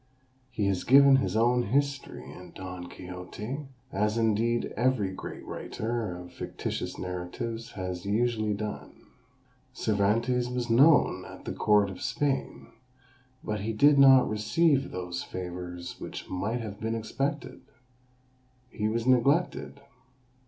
He has given his own history in Don Quixote, as indeed every great writer of fictitious narratives has usually done. Cervantes was known at the court of Spain, but he did not receive those favours which might have been expected; he was neglected.